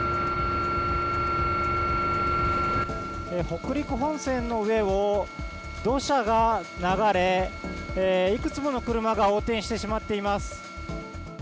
北陸本線の上を土砂が流れ、いくつもの車が横転してしまっています。